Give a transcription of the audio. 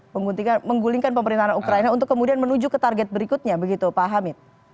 menggulingkan pemerintahan ukraina untuk kemudian menuju ke target berikutnya begitu pak hamid